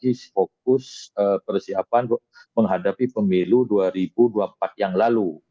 jadi itu adalah fokus persiapan menghadapi pemilu dua ribu dua puluh empat yang lalu